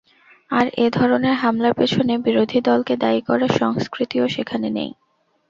আর এ ধরনের হামলার পেছনে বিরোধী দলকে দায়ী করার সংস্কৃতিও সেখানে নেই।